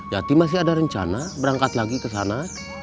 yati masih ada rencana berangkat lagi ke sana